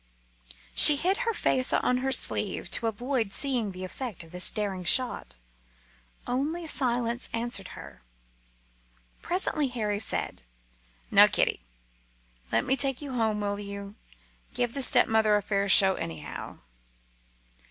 She hid her face on her sleeve to avoid seeing the effect of this daring shot. Only silence answered her. Presently Harry said "Now, kiddie, let me take you home, will you? Give the stepmother a fair show, anyhow."